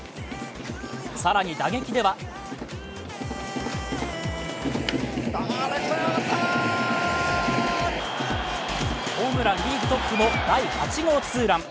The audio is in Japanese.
更に打撃ではホームランリーグトップの第８号ツーラン。